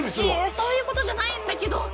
いやいやそういうことじゃないんだけど。